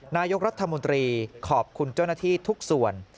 นายกรัฐมนตรีขอบคุณเจ้าหน้าที่ทุกส่วน